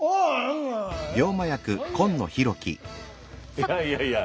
いやいやいや。